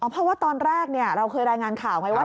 เพราะว่าตอนแรกเราเคยรายงานข่าวไงว่า